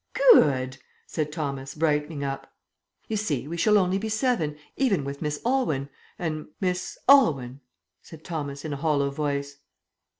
"Good!" said Thomas, brightening up. "You see, we shall only be seven, even with Miss Aylwyn, and " "Miss Aylwyn?" said Thomas in a hollow voice.